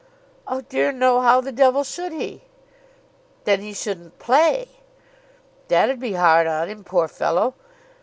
"Oh, dear no. How the devil should he?" "Then he shouldn't play." "That 'd be hard on him, poor fellow.